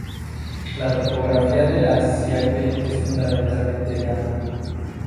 La topografía de La Sierpe es fundamentalmente llana.